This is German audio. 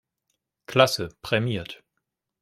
Klasse, prämiert.